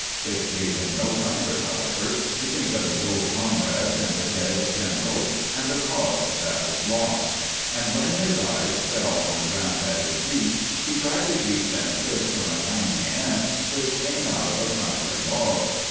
It gave him no comfort, however, to think of his old comrades and the dead generals and the cause that was lost; and when his eyes fell on the ground at his feet, he tried to keep them fixed on a tiny ant which came out of a crumbling log.